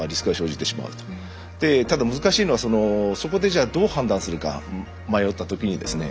ただ難しいのはそこでじゃあどう判断するか迷った時にですね。